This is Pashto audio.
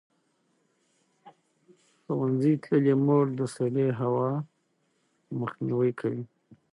ښوونځې تللې مور د سړې هوا مخنیوی کوي.